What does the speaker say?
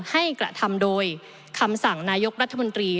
กระทำโดยคำสั่งนายกรัฐมนตรี